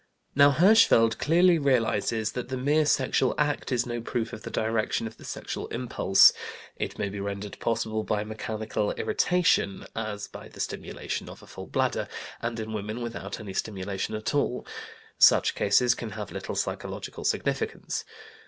Now Hirschfeld clearly realizes that the mere sexual act is no proof of the direction of the sexual impulse; it may be rendered possible by mechanical irritation (as by the stimulation of a full bladder) and in women without any stimulation at all; such cases can have little psychological significance.